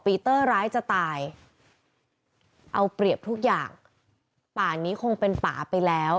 ปีเตอร์ร้ายจะตายเอาเปรียบทุกอย่างป่านี้คงเป็นป่าไปแล้ว